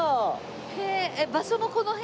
へえ場所もこの辺？